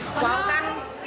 waw kan jalannya kan cukup